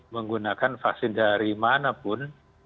menggunakan vaksin dari manapun